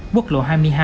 quốc lộ hai mươi hai